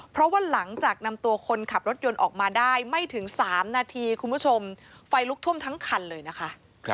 เพราะว่าหลังจากนำตัวคนขับรถยนต์ออกมาได้ไม่ถึง๓นาทีคุณผู้ชมไฟลุกท่วมทั้งคันเลยนะคะ